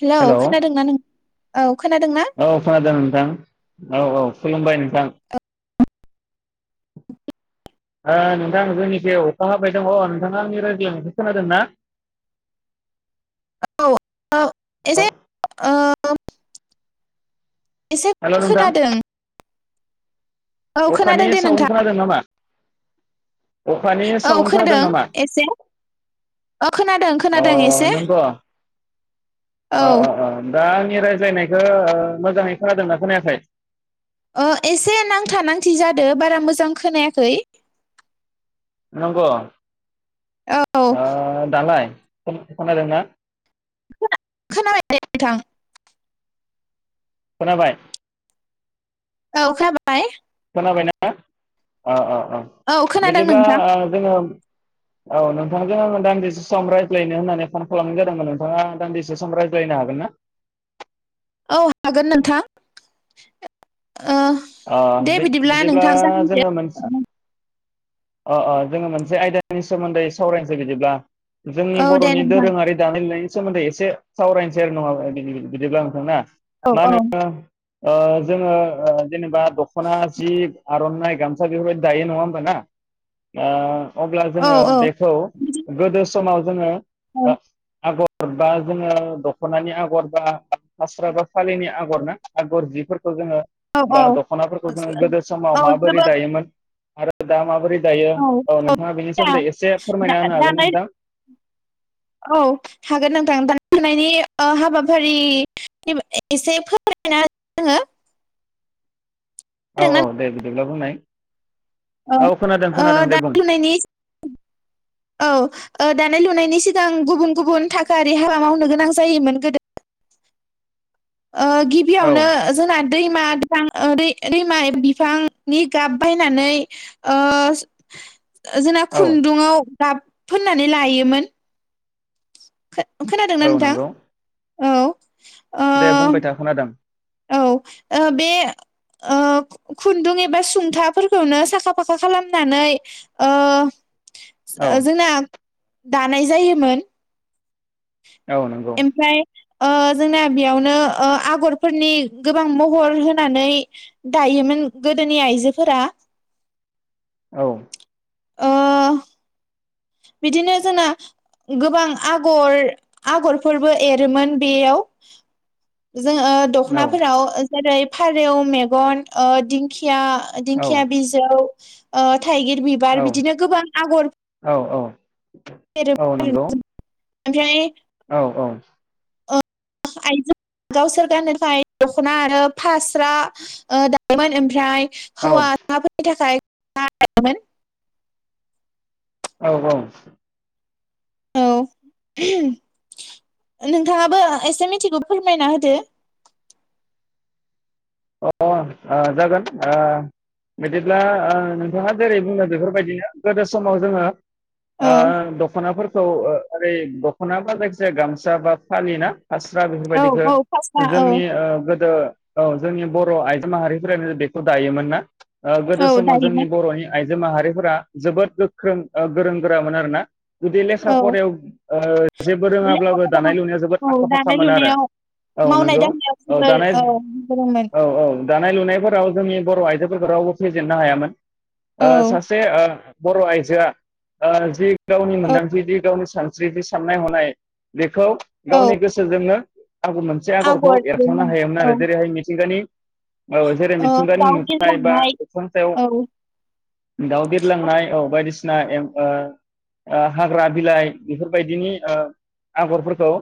Hello खोनादोंना नों औ खोनादोंना औ खोनादों नोंथां औ औ खुलुमबाय नोंथां आ नोंथां जोंनिखे अखा हाबाय दङ नोंथाङा आंनि रायज्लायनायखौ खोनादोंना? औ एसे ओ औ एसे हेलौ खम नोंथां खोनादों। औ खोनादों अखानि दे नोंथां सावन खोनादों नामा? अखानि औ साउन्ड नामा खोनादों एसे औ खोनादों खोनादों एसे अ नंग' अ औ अ अ दा आंनि रायज्लायनायखौ ओ मोजाङै खोनादोंना खोनायाखै? ओ एसे नांथा नांथि जादों बारा मोजां खोनायाखै नंग औ आ दालाय खोनादोंना? खोनाबाय दे नोंथां खोनाबाय औ खोनाबाय खोबायना अ अ अ औ खोनादों बिदिब्ला नोंथां ओ जोङो औ नोंथांजों आङो दान्दिसे सम रायज्लायनो होननानै फन खालामनाय जादोंमोन नोंथाङा दान्दिसे सम रायज्लायनो हागोन ना? औ हागोन नोंथां ओ अ दे बिद बिदिब्ला नोंथां जोङो मोनसे जागायदो अ अ जोङो मोनसे आयदानि सोमोन्दै सावरायनोसै बिदिब्ला जोंनि औ दे बरनि नोंथां दोरोङारि दानाय लुनायनि सोमोन्दै एसे एसे सावरायनोसै आरो नङा बिदि बिदिब्ला नोंथांना औ मा होनो- ओ जोङो ओ जेनबा दखना जि आरनाइ गामसा बेफोरबायदि दायो नङा होमबाना दा अब्ला औ जोङो बेखौ गोदोस समाव जोंङो आ आगर बा जोङो दखनानि आगर बा फास्रा बा फालिनि आगर ना आगर जिफोर जोङो औ औ बा दखनाफोरखौ जोङो गोदो समाव औ माबोरै जोबोद दायोमोन आरो दा मा दायो औ नोंथाङा बेनि सोमोन्दै एसे फोरमायना होनो हागोन दानाय नोंथां? औ हागोन नोंथां दानाय लुनायनि ओ हाबाफारि [unintelligible] औ औ दे बिदिब्ला बुंनाय [inaudible] औ खोनादों ओ खोनादों दे बुं दानाय लुनायनि [unintelligible] औ ओ दानाय लुनायनि [inaudible] सिगां गुबुन गुबुन थाखोआरि हाबा मावनो गोनां जायोमोन गोदो ओ औ गिबियावनो जोंना दैमा फां दैमा बिफांनि गाब बायनानै ओ जोंना औ खुन्दुंआव गाब फोननानै लायोमोन। [inaudible] खो खोनादोंना औ नोंथां? नंगौ औ दे ओ बुंबाय था खोनादों औ ओ बे ओ खुन्दुं एबा सुंथाफोरखौनो साखा फाखा खालामनानै ओ औ जोंना दानाय जायोमोन औ नंगौ ओमफ्राय जोंना बेयावनो ओ आगरफोरनि गोबां महर होनानै दायोमोन गोदोनि आइजोफोरा औ ओ बिदिनो जोंना गोबां आगर आगरफोरबो एरोमोन बेयाव जोंङो औ दखनाफोराव जेरै फारौ मेगन दिंखिया दिंखिया दिंखिया बिजौ आ थाइगिर बिबार औ बिदिनो गोबां आगर औ औ एरोमोन औ आरोना नंगौ ओमफ्राय औ औ ओ आइजो गावसोर गाननो थाखाय दखना आरो फास्रा ओ दायोमोन ओमफ्राय औ हौवासाफोरनि थाखाय दायोमोन औ औ औ नोंथाङाबो एसे मिथिगौ फोरमायना होदो ओ ओ जागोन ओ बिदिब्ला ओ नोंथाङा जेरै बुङो बेफोरबायदिनो गोदो समाव जोङो औ दखनाफोरखौ ओरै दखनाबा जायखिजाया गामसा बा फालिना फास्रा औ बेफोरबायदिखौ औ फास्रा औ जोंनि ओ गोदो बर' आइजो माहारिफोरानो बेखौ दायोमोन ना गोदो औ समाव जोंनि दायोमोन बर'नि आइजो माहारिफोरा जोबोद गोख्रों गोरों गोरामोन आरोना जुदि लेखा औ फरायाव ओ जेबो लेखा रोङाब्लाबो दानाय गोरों लुनायाव जोबोद औ आखा फाखाम दानाय मोन आरो लुनायाव औ मावनाय नंगौ दांनायाव औ जोबोर दानाय औ गोरोंमोन औ औ दानाय लुनायफोराव जोंनि बर'आइजोफोरखौ रावबो फेजेननो हायामोन औ सासे बर' आइजोआ जि गावनि औ मोनदांथिदि गावनि सानस्रिथि साननाय हनाय बे खौ औ गावनि गोसोजोंनो आगर मोनसे आगरखौ आगर एरखावनो एरोमोन हायोमोन आरो औ जेरैहाय [unintelligible] औ जेरै ओ मिथिंगानि दाउ नुथायनाय बा बिरलांनाय अख्रां सायाव औ दाव बिरलांनाय औ बायदिसिना ओ हाग्रा बिलाइ बेफोरबायदिनि ओ आगरफोरखौ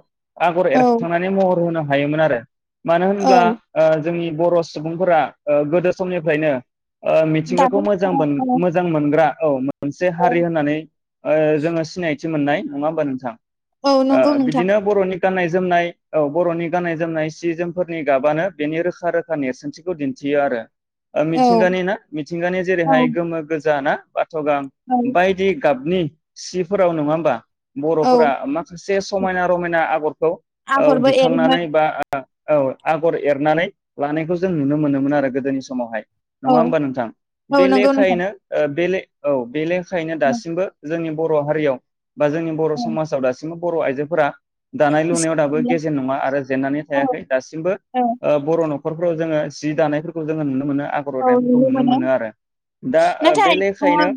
आगर औ एरखांनानै महर होनो हागौ। हायोमोन आरो मानो औ होनब्ला जोंनि बर' सुबुंफोरा गोदो समनिफ्रायनो ओ मिथिंगाखौ दानाय मोजां लुनायाव मोजां मोनग्रा। औ मोनसे औ हारि होननानै ओ जोङो सिनायथि मोननाय नङा होमबा नोंथां औ नंगौ आं नोंथां बिदिनो बर' नि गाननाय जोमनाय औ बर‌' नि गाननाय जोमनाय सि जोमफोरनि गाबानो बेनि रोखा रोखा नेरसोनथिखौ दिन्थियो आरो। औ मिथिंगानि ना मिथिंगानि औ जेरैहाय गोमो गोजाना बाथगां औ बायदि गाब नि सिफोराव नङा होमबा औ बर'फोरा माखासे समायना रमायना आगरखौ आगरबो दिखांनानै एरोमोन बा औ आगर एरनानै लानायखौ जों नुनो मोनोमोन आरो गोदोनि समावहाय। औ नङा होमबा नोंथां औ बे नंगौ नोंथां लेखायैनो ओ बे औ बे ले खानो औ दासिमबो जोंनि बर हारियाव बा जोंनि बर औ समाजाव दासिमबो बर आइजोफोरा दानाय-लुनायाव दाबो गेजेन नङा आरो जेनन्नानै औ थायाखै दासिमबो औ ओ बर नखरफोराव जोङो जि दानायफोरखौ जोङो नुनो मोना औ नुनो मोनो दा ओ बे नाथाय ओ लेखायैनो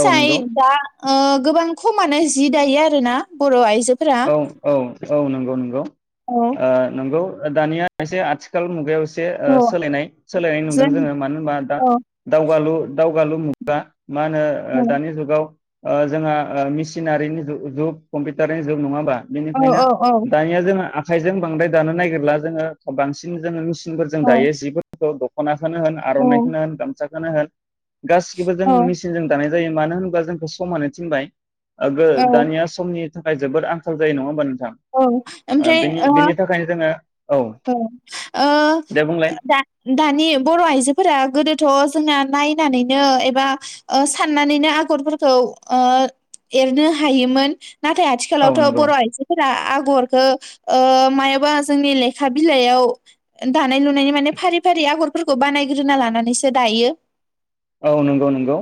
औ नंगौ दा ओ गोबां खम मानो जि दायो आरो ना बर आइजो औ औ औ नंगौ औ नंगौ औ ओ नंगौ दानिया एसे आथिखाल मुगायाव एसे औ सोलायनाय सोलायनाय नुदों जों जोङो मानो होनबा औ दावालु दावगालु मु गा मा होनो दानि जुगाव ओ जोंहा ओ मिसिनारिनि जुग कम्पिउटारनि जोब नङाहोमबा औ बेनिखायनो औ दानिया जोंङो आखाइजों बांद्राय दानो नागिरला जोङो बांसिन जोङो मिसिन फोर जों औ दायो जिफोर खौ दखना होन औ आरनानायखौनो होन गामसा खौनो होन गासिबो जों औ मेसिनजों दानाय जायो मानो होनोबा जोंखौ समानो थिनबाय ओ गो औ दानिया समनि जोबोद आखाल जायो नंङा होनोमबा नों औ ओमफ्राय ओ जोङो औ ओ दे बुंलाय दा दानि बर' आइजोफोरा गोदोथ' जों नायनानैनो एबा ओ साननानैनो आगरफोरखौ ओ एरनो हायोमोन नाथाय औ आथिखालावथ' नंगौ बर' आइजो आगरखौ ओ मायाबा जोंनि लेखा बिलाइयाव दानाय लुनायनि माने फारि फारि आगरफोरखौ बानायग्रोना लानानैसो दायो औ नंगौ नंगौ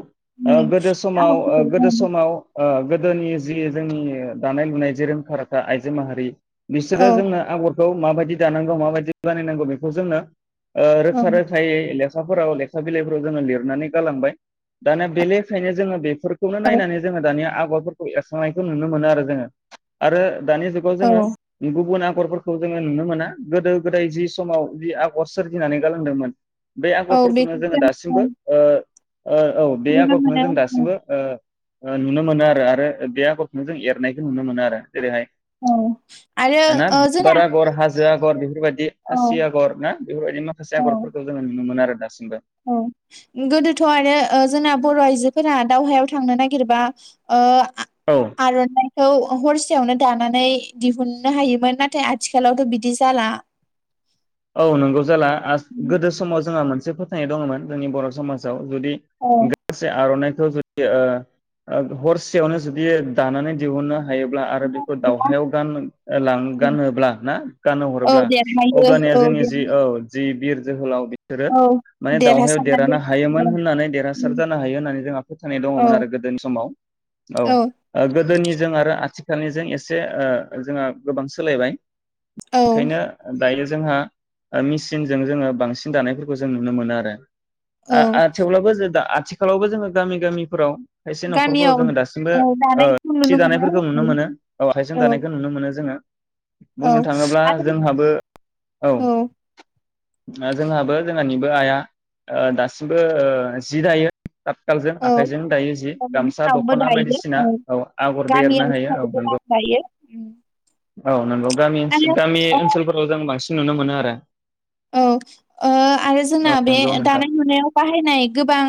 ओ उम गोदो समाव ओ गोदो आगरफोरखौ समाव ओ गोदोनि जि जोंनि दानाय लुनाय जे रोंखा राखा आइजो माहारि बिसोरो औ जोंनो आगर खौ माबायदि दानांगौ माबायदि बानायनांगौ बेखौ जोंनो ओ औ रोखा रोखायै [unintelligible] [unintelligible] लेखा बिलाइफोराव जोङो लिरनानै गालांबाय दाना बेनिफ्रायनो जोङो बे फोरखौनो औ नायनानै जोङो दानिया आग आगरफोरखौ एरखांनायखौ नुनो मोनो आरो जोङो आरो दानि जुगाव औ जोङो गुबुना गरफोरखौ जोङो नुनो मोना गोदो गोदाय जि समाव बि आगर सोरजिनानै गालांदोंमोन। बे औ आगरफोरखौनो जोङो बेखौसो दासिमबो ओ ओ औ बे नुनो आगरखौनो जों मोनो दासिमबो ओ ओ नुनो मोनो आरो आरो बे आगरखौनो जों एरनायखौ नुनो मोनो आरो। जेरैहाय औ आरो ओ जोंना जो आगर बेफोरबायदि इ औ खासि आगर ना बेफोरबायदि माखासे औ आगरफोरखौ जोङो नुनो मोनो आरो। दासिमबो औ गोदोथ' आरो ओ जोंना बर' आइजोफोरा दावहायाव थांनो नागिरबा ओ औ आ-आरनाइखौ औ हरसे सेयावनो दानानै दिहुननो हायोमोन। नाथाय आथिखालावथ बिदि जाला। औ नंगौ जाला आस गोदो समाव जोंहा मोनस मोनसे फोथायनाय दङमोन जोंनि बर' समाजाव जदि औ गांसे आर आरनाय [unintelligible] ओ हरसेयावनो जुदि दानानै दिहुनो हायोब्ला आरो बेखौ दावहायाव गाननो ओ लां गानोब्ला ना गानो औ हरोब्ला अ देरहायो अब्लानिया औ जोनिया देर जि औ जि बिर जोहोलाव बि सोरो औ माने दावहायाव देरहानो देरहासारनानै हायोमोन होननानै देरहासार जानो हायो होननानै जोंहा फोथायनाय औ दङमोन आरो गोदोनि समाव औ ओ गोदोनि जों आरो आथिख सिगांनिजों एसे ओ जोंहा गोबां सोलायबाय औ बेखायनो ओ दायो जोंहा ओ मेसिनजों जोङो बांसिन दानायफोरखौ जों नुनो मोनो आरो। औ आ-आ थेवब्लाबो जों दा आथ थिखालावबो जोङो गामि गामिफोराव खायसे नखरफोराव गामियाव जोङो दासिमबो औ ओ दानायखौ सि नुनो मोनो दानायफोरखौ नुनो औ मोनो औ आखायजों दानायखौ नुनो मोनो जोङो औ बुंनो थाङोब्ला आरो जोंहाबो औ औ जोंहाबो जों हानिबो आइआ ओ दासिमबो ओ जि दायो थादखालजों औ आखाइजों दायो जि गामसा जोंनावबो दख'ना दायो बायदिसिना औ आगर बो एरनो गामियाव हायो औ जोंनाबो गोबां नोंगौ दायो औ नोंगौ गामि आरो ओनसोल गामि ओ ओनसोलफोराव जों बांसि नुनो मोनो आरो औ ओ आरो जोंना औ बे नंगौ नोंथां दानाय लुनायाव बाहायनाय गोबां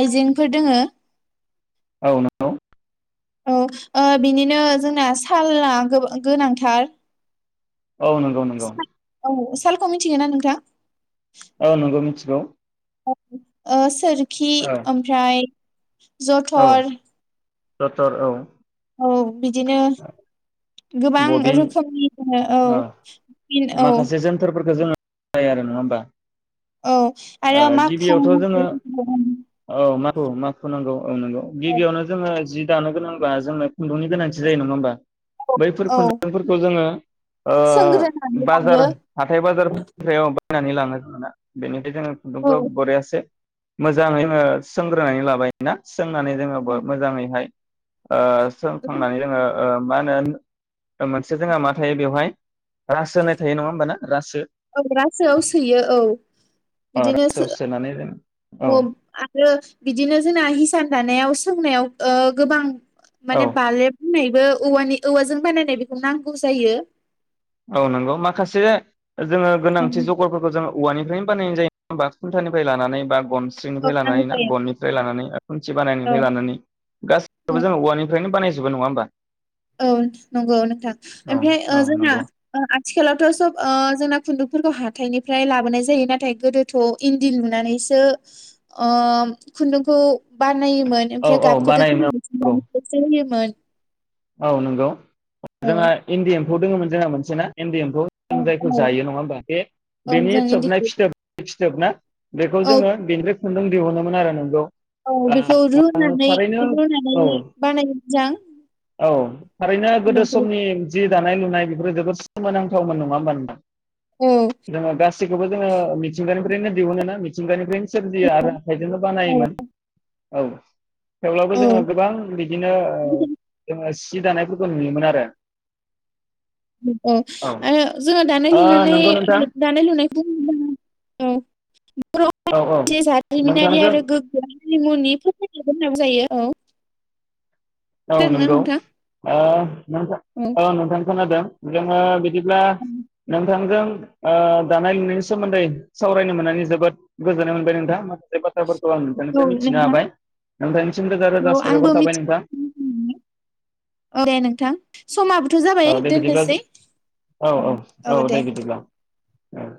आइजें फोर दोङो औ नोंगौ औ ओ बिनिनो जोंना साला गोबा-गोनांथार औ नोंगौ नोंगौ सालखौ मिथियोना नोंथां? औ नोंगौ मिथि गौ [inaudible] ओ सोर खि ओमफ्राय औ जथर जथर औ औ बिदिनो गोबां बबिन रोखोमनि दोङो औ फिन औ माखासे जोनथोरफोरखौ जोङो जायो आरो नङा होमबा? औ आरो ओ माखु गिबियावथ' जोङो [unintelligible] औ माखु माखु नोंगौ औ नंगौ औ गिबियावनो जोङो जि दानो गोनांबा जोङो खुशदुंनि गोनांथि जायो नङा होमबा? बैफोर औ खुन्दुंफोरखौ जोङो ओ सोंग्रोनानै बाजार लायो हाथाय बाजारफोरनि सायाव [unintelligible] बेनो बे जोङो खुनदुंखौ औ बरियासे [unintelligible] मोजांङैनो सोंग्रोनानै लाबाय ना सोंनानै जोङो ब मोजाङैहाय ओ सोंखांनानै जोङो ओ मा होनोन मोनसे जोंहा मा थायो बेवहाय रासो होनाय थायो नङा होमबाना रासो औग्रासोआव सोयो औ अ बिदिनो सो रासोआव सोनानै जों औ फुं आरो बिदिनो जोंना हिसान दानायाव सोंनायाव ओ गोबां औ माने बालेब होननायबो औवानि औवाजों बानायनाय बेखौ नांगौ जायो औ नंगौ माखासे जोङो गोनांथि जगरफोरखौ जोङो औवानिफ्रायनो बानायनाय जायो होनबा खुन्थानिफ्राय लानानै बा गन औ स्रिनिफ्राय नांगौ लानानै ना जायो गननिफ्राय लानानै खुन्थि औ बानायनायनिफ्राय लानानै औ गासिबो जों औवानिफ्रायनो बानाय जेबो नङा होमबा औ नंगौ नोंथां औ ओमफाय ओ औ जोंना नंगौ ओ आथिखालावथ सब ओ जोंना खुन्दुंफोरखौ हाथाइनिफ्राय लाबोनाय जायो नाथाय गोदोथ इन्दि लुनानैसो ओ खुन्दुंखौ बा नायोमोन औ ओमफ्राय औ गाबखौथ बानायोमोन जोंङो नंगौ मिथिंगानिफ्रायसो होयोम मोन औ नंगौ जोंहा इन्डि एम म्फौ दोङोमोन जोंहा मोनसे ना? इन्दि एम्फौ औ जों जायखौ औ जायो नङा होमबा बे औ बेनि जों थोबनाय इन्दिखौ फिथोब फि थोब ना बेखौ औ जोङो बेनिफ्राय खुन्दुं दिहुनोमोन आरो नंगौ औ बेखौ ओ रुनानै थारैनो रुनानै औ बानायनो मोजां औ थारैनो गोदो खुन्दुंखौ समनि जि दानाय लुनाय बेफोर जोबोर सोमोनांथावमोन नङा होनोमबा नोंथां औ जोङो गास गासिखौबो जोङो मिथिंगानिफ्रायनो दिहुनो ना मिथिंगानिफ्रायनो सोरजियो आरो आखाइजोंनो औ बानायोमोन औ थेवब्लाबो औ जोङो गोबां बिदिनो ओ ओ सि दानायफोरखौ नुयोमोन आरो ओ औ ओ जोंहा दानाय ओ नंगौ नोंथां लुनानै औ औ नोंथांजों [unintelligible] [unintelligible] औ औ खोनादोंना नंगौ नोंथां आ नोंथां औ नोंथां खोनादों जोंङो बिदि ब्ला नोंथांजों ओ दानाय लुनायनि सोमोन्दै सावरायनो मोननानै जोबोद गोजोननाय मोनबाय नोंथां बे बाथ्राफोरखौ आं नोंथांनिफ्राय औ मिथिनो नोंथां हाबाय नोंथांनिसम रोजा रोजा साबायखर थाबाय नोंथां [unintelligible] आरी नोंथां समाबोथ जाबाय औ ओ दे बिदिब्ला दोननोसै औ ओम औ दे औ